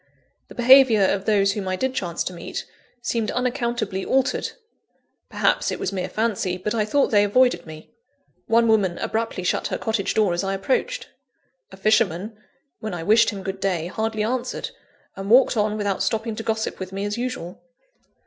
The behaviour of those whom I did chance to meet, seemed unaccountably altered; perhaps it was mere fancy, but I thought they avoided me. One woman abruptly shut her cottage door as I approached. A fisherman, when I wished him good day, hardly answered; and walked on without stopping to gossip with me as usual.